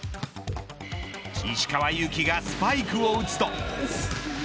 石川祐希がスパイクを打つと。